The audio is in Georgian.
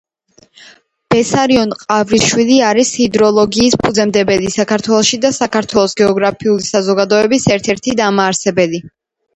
ბესარიონ ყავრიშვილი არის ჰიდროლოგიის ფუძემდებელი საქართველოში და საქართველოს გეოგრაფიული საზოგადოების ერთ-ერთი დამაარსებელი.